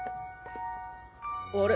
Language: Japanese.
あれ？